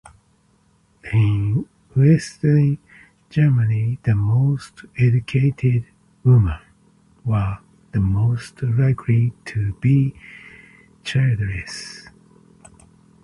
In western Germany the most educated women were the most likely to be childless.